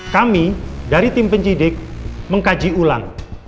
kami dari tim penyidik mengkaji ulang